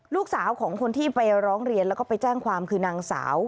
ลูกสาวของคนที่ไปร้องเรียนแล้วก็ไปแจ้งความคือนางสาว